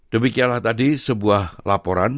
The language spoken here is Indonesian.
demikianlah tadi sebuah laporan